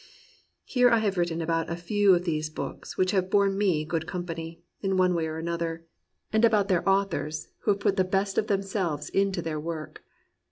Here I have written about a few of these books which have borne me good company, in one way or another, — and about their authors, who have vii PREFACE put the best of themselves into their work.